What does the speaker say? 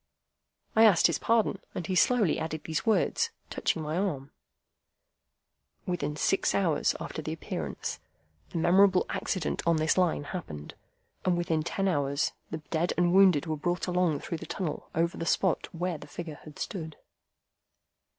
I asked his pardon, and he slowly added these words, touching my arm,— "Within six hours after the Appearance, the memorable accident on this Line happened, and within ten hours the dead and wounded were brought along through the tunnel over the spot where the figure had stood."